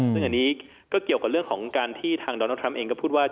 ซึ่งอันนี้ก็เกี่ยวกับเรื่องของการที่ทางโดนัลดทรัมป์เองก็พูดว่า